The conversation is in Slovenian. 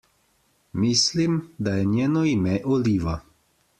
Mislim, da je njeno ime Oliva.